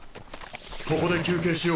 ここで休憩しよう。